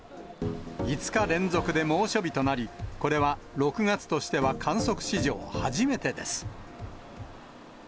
５日連続で猛暑日となり、これは６月としては観測史上初めてです。